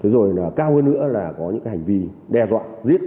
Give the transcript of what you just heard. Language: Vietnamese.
rồi cao hơn nữa là có những hành vi đe dọa